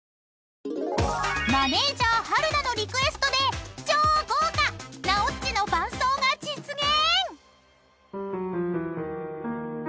［マネジャー春菜のリクエストで超豪華なおっちの伴奏が実現］